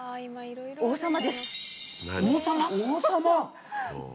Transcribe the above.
王様？